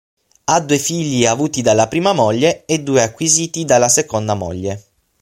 Ha due figli avuti dalla prima moglie e due acquisiti dalla seconda moglie.